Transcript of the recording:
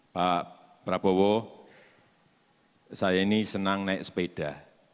pak prabowo saya ini senang naik sepeda